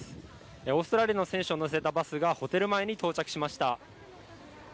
オーストラリアの選手を乗せたバスがホテル前に到着しました。